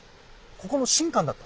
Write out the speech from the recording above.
ここの神官だった？